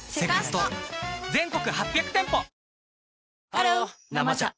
ハロー「生茶」